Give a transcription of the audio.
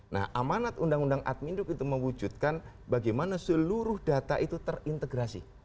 nah amanat undang undang admin duk itu mewujudkan bagaimana seluruh data itu terintegrasi